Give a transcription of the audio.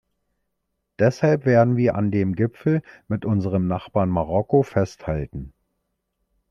Deshalb werden wir an dem Gipfel mit unserem Nachbarn Marokko festhalten.